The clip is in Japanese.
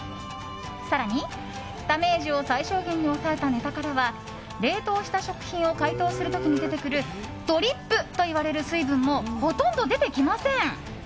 更に、ダメージを最小限に抑えたネタからは冷凍した食品を解凍する時に出てくるドリップといわれる水分もほとんど出てきません。